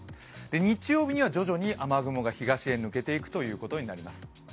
日曜日には徐々に雨雲が東へ抜けていくことになります。